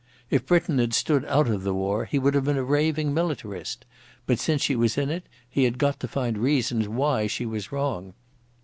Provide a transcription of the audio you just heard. If Britain had stood out of the war he would have been a raving militarist, but since she was in it he had got to find reasons why she was wrong.